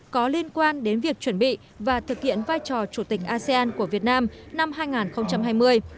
có liên quan đến việc chuẩn bị và thực hiện vai trò chủ tịch asean của việt nam năm hai nghìn hai mươi